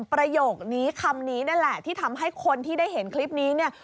ประโยคนี้คำนี้นั่นแหละที่ทำให้คนที่ได้เห็นคลิปนี้เนี่ย